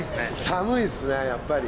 寒いですねやっぱり。